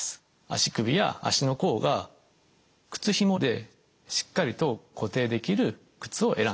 足首や足の甲が靴ひもでしっかりと固定できる靴を選んでください。